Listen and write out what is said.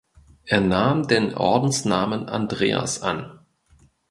Er nahm den Ordensnamen Andreas an.